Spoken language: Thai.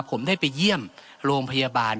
ผมได้ไปเยี่ยมโรงพยาบาล